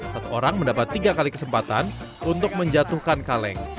satu orang mendapat tiga kali kesempatan untuk menjatuhkan kaleng